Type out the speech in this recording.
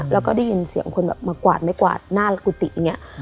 แล้วก็ได้ยินเสียงคนแบบมากวาดไม่กวาดหน้ากุฏิอย่างนี้